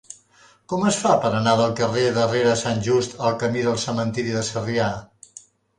Com es fa per anar del carrer de Rere Sant Just al camí del Cementiri de Sarrià?